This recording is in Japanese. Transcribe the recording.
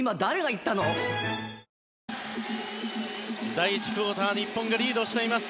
第１クオーター日本がリードしています。